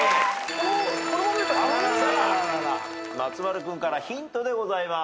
さあ松丸君からヒントでございます。